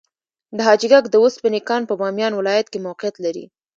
د حاجي ګک د وسپنې کان په بامیان ولایت کې موقعیت لري.